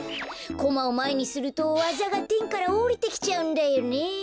コマをまえにするとわざがてんからおりてきちゃうんだよね。